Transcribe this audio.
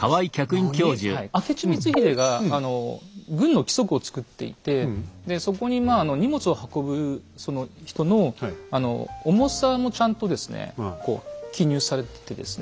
なに⁉明智光秀が軍の規則を作っていてそこに荷物を運ぶ人の重さもちゃんとですね記入されててですね